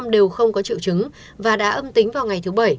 tám mươi một đều không có triệu chứng và đã âm tính vào ngày thứ bảy